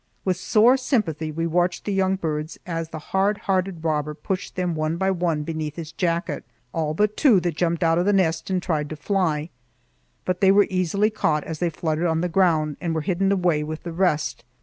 With sore sympathy we watched the young birds as the hard hearted robber pushed them one by one beneath his jacket,—all but two that jumped out of the nest and tried to fly, but they were easily caught as they fluttered on the ground, and were hidden away with the rest.